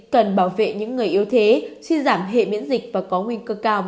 cần bảo vệ những người yếu thế suy giảm hệ miễn dịch và có nguy cơ cao mắc covid một mươi chín